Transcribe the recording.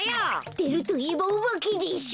でるといえばおばけでしょ。